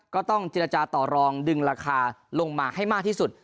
ก็ต้องเจรจาต่อรองดึงราคาลงมาให้มากที่สุด